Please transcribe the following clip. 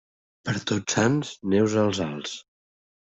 Per Tots Sants, neus als alts.